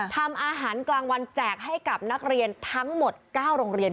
ทำอาหารกลางวันแจกให้กับนักเรียนทั้งหมด๙โรงเรียน